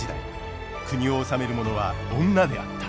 国を治める者は女であった。